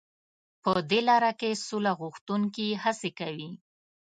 په دې لاره کې سوله غوښتونکي هڅې کوي.